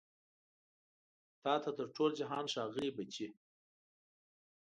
تا ته تر ټول جهان ښاغلي بچي